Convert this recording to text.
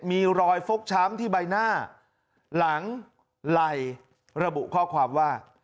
มีรอยฟกช้ำที่ใบหน้าหลังไหล่ระบุข้อความว่า